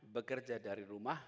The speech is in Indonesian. bekerja dari rumah